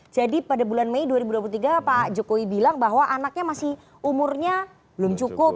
jadi pada bulan mei dua ribu dua puluh tiga pak jokowi bilang bahwa anaknya masih umurnya belum cukup